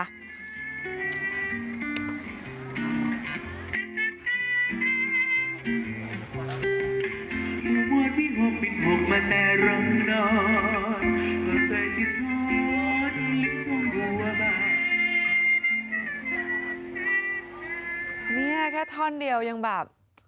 เนี่ยแค่ท่อนเดียวยังแบบ